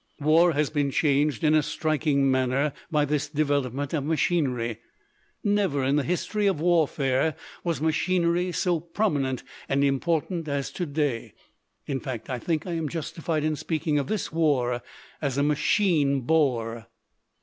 "War has been changed in a striking manner by this development of machinery. Never in the history of warfare was machinery so prominent and important as to day. In fact, I think I am justified in speaking of this war as a machine bore!